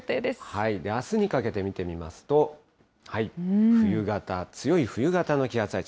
あすにかけて見てみますと、冬型、強い冬型の気圧配置。